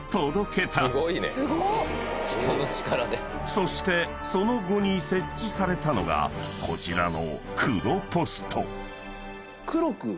［そしてその後に設置されたのがこちらの］